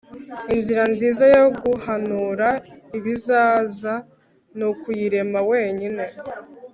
inzira nziza yo guhanura ibizaza nukuyirema wenyine